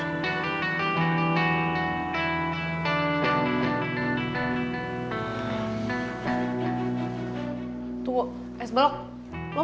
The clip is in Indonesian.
tunggu esbalok lo mau ke mana